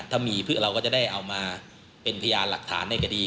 ถ้ามีเราก็จะได้เอามาเป็นพยานหลักฐานในคดี